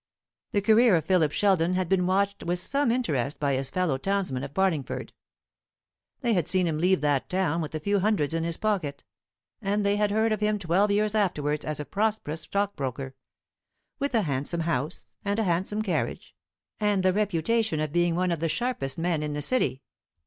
The career of Philip Sheldon had been watched with some interest by his fellow townsmen of Barlingford. They had seen him leave that town with a few hundreds in his pocket, and they had heard of him twelve years afterwards as a prosperous stockbroker, with a handsome house and a handsome carriage, and the reputation of being one of the sharpest men in the City.